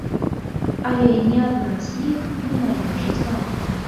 Але ні адна з іх не належыць вам.